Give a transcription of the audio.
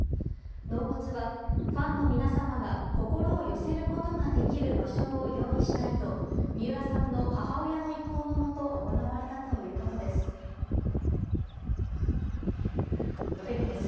納骨は、ファンの皆様が心を寄せることができる場所を用意したいと三浦さんの母親の意向のもと行われたということです。